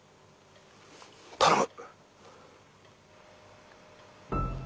頼む。